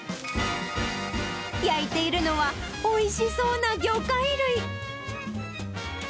焼いているのは、おいしそうな魚介類。